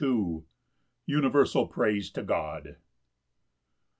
Universal praise to God.